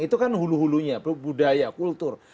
itu kan hulu hulunya budaya kultur